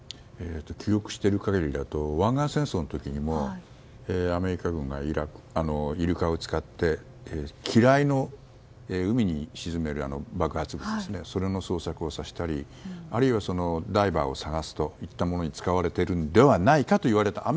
記憶している限りだと湾岸戦争の時にもアメリカ軍がイルカを使って機雷、海に沈める爆発物それの捜索をさせたりあるいはダイバーを捜すといったものに使われているのではないかといわれていました。